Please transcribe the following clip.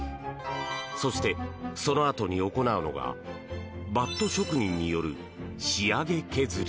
そして、そのあとに行うのがバット職人による仕上げ削り。